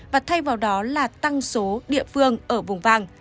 và thay vào đó là tăng số địa phương ở vùng vàng